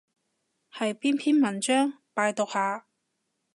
係邊篇文章？拜讀下